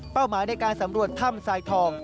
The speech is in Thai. หมายในการสำรวจถ้ำทรายทอง